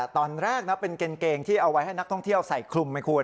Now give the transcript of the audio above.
ตอนแรกนะเป็นกางเกงที่เอาไว้ให้นักท่องเที่ยวใส่คลุมไหมคุณ